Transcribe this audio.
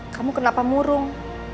kamu kenapa murung